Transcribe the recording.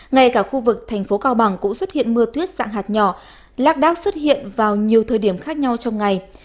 ngay cả khu vực thành phố cao bằng cũng xuất hiện mưa tuyết dạng hạt nhỏ lác đác xuất hiện vào nhiều thời điểm khác nhau trong ngày